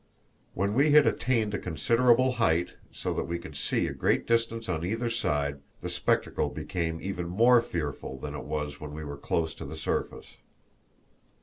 When we had attained a considerable height, so that we could see to a great distance on either side, the spectacle became even more fearful than it was when we were close to the surface.